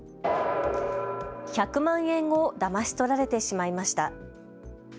１００万円をだまし取られてしまいました。